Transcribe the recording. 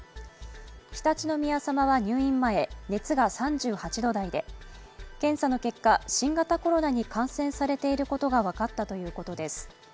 常陸宮さまは入院前、熱が３８度台で検査の結果、新型コロナに感染されていることが分かったということです。